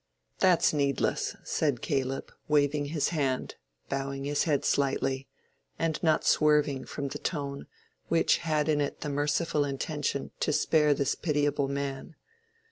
"That's needless," said Caleb, waving his hand, bowing his head slightly, and not swerving from the tone which had in it the merciful intention to spare this pitiable man.